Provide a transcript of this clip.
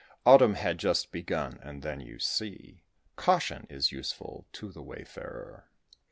Autumn had just begun, and then, you see, Caution is useful to the wayfarer.